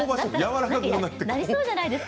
なりそうじゃないですか。